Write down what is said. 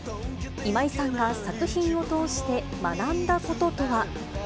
今井さんが作品を通して学んだこととは。